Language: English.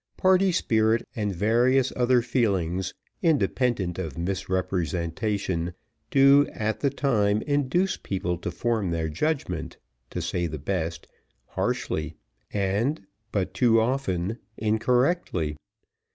Party spirit, and various other feelings, independent of misrepresentation do, at the time, induce people to form their judgment, to say the best, harshly, and but too often, incorrectly.